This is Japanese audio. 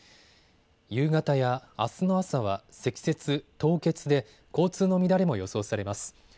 夕方やあすの朝は積雪、凍結で交通の乱れも予想されます。